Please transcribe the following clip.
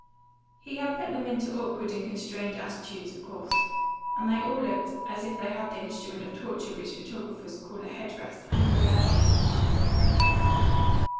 He had put them into awkward and constrained attitudes, of course; and they all looked as if they had the instrument of torture which photographers call a head rest under their occiputs.